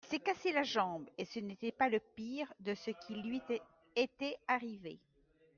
Il s’était cassé la jambe et ce n’était pas le pire de ce qui lui été arrivé.